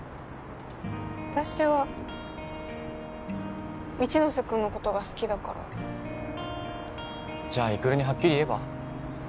私は一ノ瀬君のことが好きだからじゃあ育にはっきり言えば？